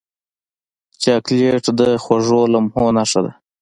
چاکلېټ د خوږو لمحو نښه ده.